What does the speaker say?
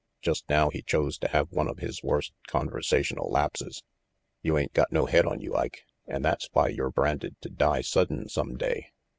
Just now he chose to have one of his worst conversational lapses. "You ain't got no head on you, Ike, and that's why you're branded to die sudden some day.